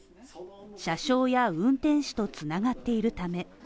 車掌や運転士とつながっているため。